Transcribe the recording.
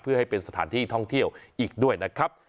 เพื่อให้เป็นสถานที่ท่องเที่ยวอีกด้วยนะครับ